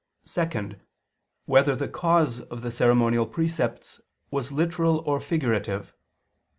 (2) Whether the cause of the ceremonial precepts was literal or figurative?